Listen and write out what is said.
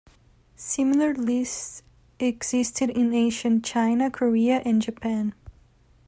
Similar lists existed in ancient China, Korea and Japan.